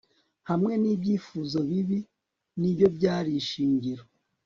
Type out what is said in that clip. hamwe ni byifuzo bibi ni byo byari ishingiro